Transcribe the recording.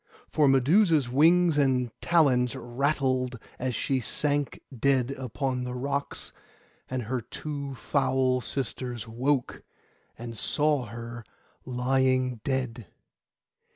For Medusa's wings and talons rattled as she sank dead upon the rocks; and her two foul sisters woke, and saw her lying dead.